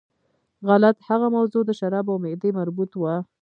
غلط، هغه موضوع د شرابو او معدې مربوط وه.